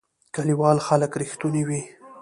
کلیوال خلک رښتونی وی